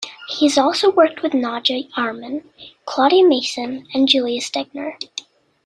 He has also worked with Nadja Auermann, Claudia Mason and Julia Stegner.